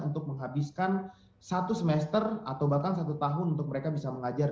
untuk menghabiskan satu semester atau bahkan satu tahun untuk mereka bisa mengajar